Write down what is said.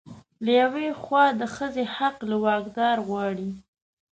له يوې خوا د ښځې حق له واکدار غواړي